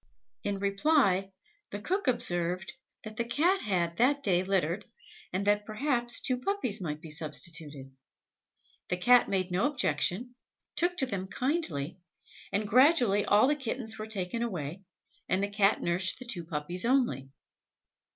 In reply, the cook observed that the Cat had that day littered, and that, perhaps, two puppies might be substituted. The Cat made no objection, took to them kindly, and gradually all the kittens were taken away, and the Cat nursed the two puppies only.